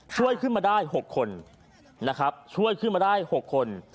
ช่วยขึ้นมาได้๖คน